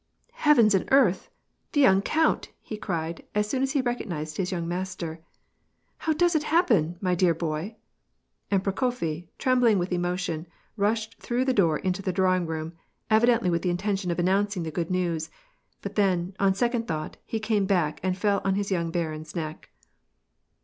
" Heavens and earth ! The young count !" hfe cried, as sooif as he recognized his young master. " How does it happen, mj dear boy ?"* And Prokofi, trembling with emotion, rush through the door into the drawing room, evidently with th intention of announcing the good news; but then, on secon thought, he came back and fell on his young barin's neck.